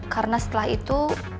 karena setelah itu